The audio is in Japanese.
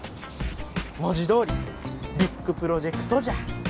文字どおりビッグプロジェクトじゃ。